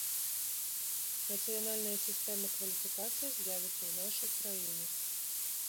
Нацыянальная сістэма кваліфікацыі з'явіцца ў нашай краіне.